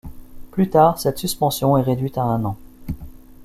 Plus tard, cette suspension est réduite à un an.